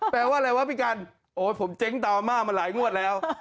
แปลว่าอะไรวะพี่กันโอ้ยผมเจ๊งตามอาม่ามาหลายงวดแล้ว